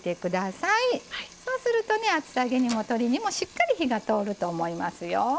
そうするとね厚揚げにも鶏にもしっかり火が通ると思いますよ。